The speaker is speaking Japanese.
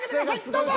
どうぞ。